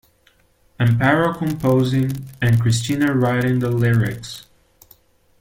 Amparo composing and Cristina writing the lyrics.